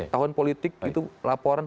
tahun politik itu laporan